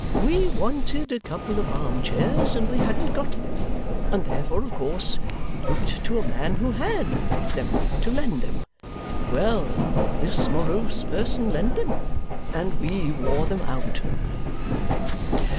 We wanted a couple of arm chairs, and we hadn't got them, and therefore of course we looked to a man who HAD got them, to lend them. Well! This morose person lent them, and we wore them out.